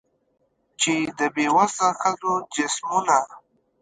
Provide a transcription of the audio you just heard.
چي د بې وسه ښځو جسمونه